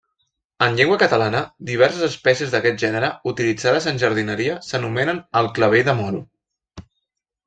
En llengua catalana diverses espècies d'aquest gènere, utilitzades en jardineria, s'anomenen clavell de moro.